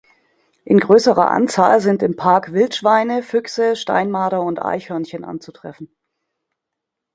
In größerer Anzahl sind im Park Wildschweine, Füchse, Steinmarder und Eichhörnchen anzutreffen.